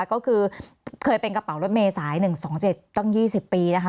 ก็คือเคยเป็นกระเป๋ารถเมษาย๑๒๗ตั้ง๒๐ปีนะคะ